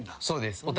そうです。